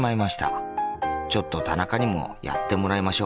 ちょっと田中にもやってもらいましょう。